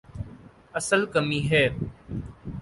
اصل کمی ہے۔